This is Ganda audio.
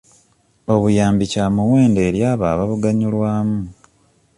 Obuyambi kya muwendo eri abo ababuganyulwamu.